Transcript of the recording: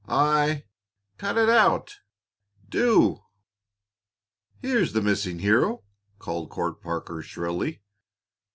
I Cut it out do!" "Here's the missing hero!" called Court Parker, shrilly.